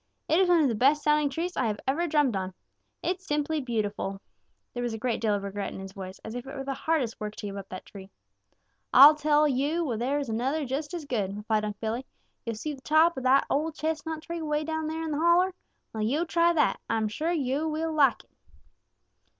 It is one of the best sounding trees I have ever drummed on. It's simply beautiful!" There was a great deal of regret in his voice, as if it were the hardest work to give up that tree. "Ah'll tell yo' where there's another just as good," replied Unc' Billy. "Yo' see the top of that ol' chestnut tree way down there in the holler? Well, yo' try that. Ah'm sure yo' will like it."